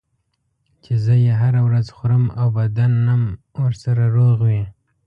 چې زه یې هره ورځ خورم او بدنم ورسره روغ وي.